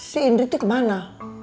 si indra tuh kemana